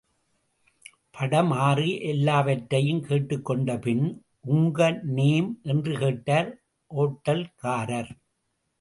படம் – ஆறு எல்லாவற்றையும் கேட்டுக்கொண்ட பின் உங்க நேம்? என்று கேட்டார் ஓட்டல்காரர்.